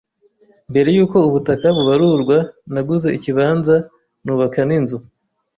mbere yuko ubutaka bubarurwa naguze ikibanza nubaka n’inzu